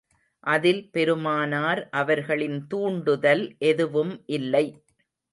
அதில் பெருமானார் அவர்களின் தூண்டுதல் எதுவும் இல்லை.